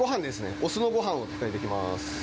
お酢のごはんを炊いていきます。